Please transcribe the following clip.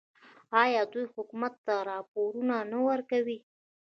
آیا دوی حکومت ته راپورونه نه ورکوي؟